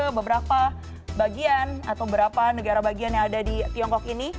beberapa bagian atau beberapa negara bagian yang ada di tiongkok ini